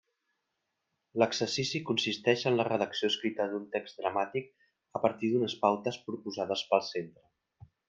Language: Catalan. L'exercici consisteix en la redacció escrita d'un text dramàtic, a partir d'unes pautes proposades pel centre.